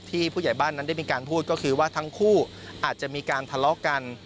ผู้ใหญ่บ้านนั้นได้มีการพูดก็คือว่าทั้งคู่อาจจะมีการทะเลาะกัน